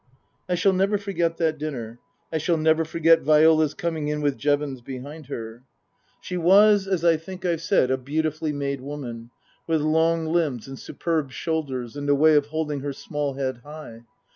I shall never forget that dinner. I shall never forget Viola's coming in with Jevons behind her. 176 Tasker Jevons She was, as I think I've said, a beautifully made woman, with long limbs and superb ' shoulders, and a way of holding her small head high.